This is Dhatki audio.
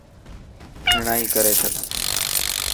هيڻا ئي ڪري ڇڏ.